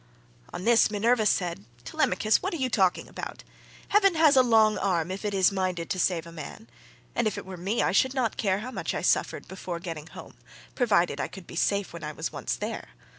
On this Minerva said, "Telemachus, what are you talking about? Heaven has a long arm if it is minded to save a man; and if it were me, I should not care how much I suffered before getting home, provided I could be safe when I was once there.